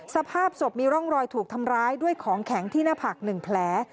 สภาพศพมีร่องรอยถูกทำร้ายด้วยของแข็งที่หน้าผัก๑แผล